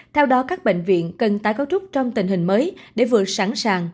theo đó các bệnh viện cần tái cấu trúc trong tình hình mới để vừa sẵn sàng